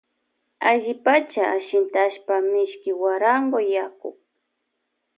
Allipacha ashintashpa mishki guarango yaku.